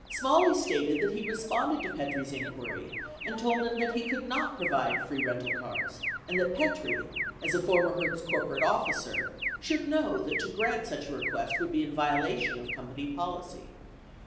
Smalley stated that he responded to Petrie's inquiry and told him that he could not provide free rental cars and that Petrie, as a former Hertz corporate officer, should know that to grant such a re quest would be in violation of company policy.